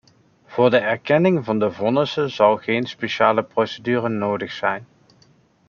Voor de erkenning van de vonnissen zal geen speciale procedure nodig zijn.